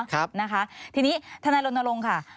ครับนะคะทีนี้ทนายรณรงค์ค่ะ